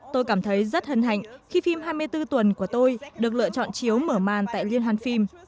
tôi cảm thấy rất hân hạnh khi phim hai mươi bốn tuần của tôi được lựa chọn chiếu mở màn tại liên hoan phim